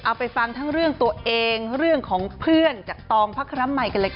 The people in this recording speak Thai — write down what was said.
เอาไปฟังทั้งเรื่องตัวเองเรื่องของเพื่อนจากตองพระครัมมัยกันเลยค่ะ